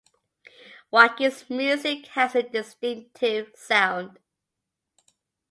Wackies music has a distinctive sound.